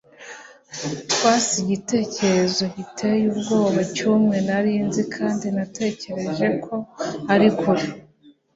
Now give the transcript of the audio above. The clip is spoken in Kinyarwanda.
Twas igitekerezo giteye ubwoba cyumwe nari nzi kandi natekereje ko ari kure